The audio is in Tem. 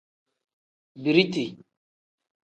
Biriti.